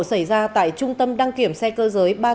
xảy ra tại trung tâm đăng kiểm xe cơ giới